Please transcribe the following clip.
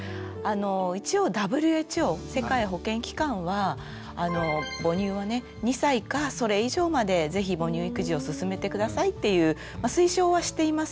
一応ＷＨＯ世界保健機関は母乳はね２歳かそれ以上まで是非母乳育児をすすめて下さいっていう推奨はしています。